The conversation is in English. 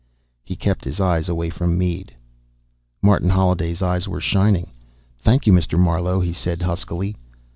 He kept his eyes away from Mead. Martin Holliday's eyes were shining. "Thank you, Mr. Marlowe," he said huskily.